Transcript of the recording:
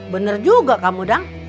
bener juga kamu dang